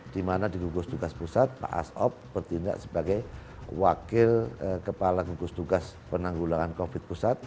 di mana di gugus tugas pusat pak asop bertindak sebagai wakil kepala gugus tugas penanggulangan covid pusat